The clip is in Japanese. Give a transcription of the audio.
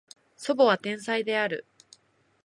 叔母は天才である